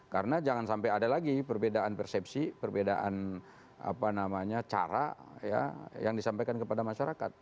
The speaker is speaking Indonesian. karena jangan sampai ada lagi perbedaan persepsi perbedaan cara yang disampaikan kepada masyarakat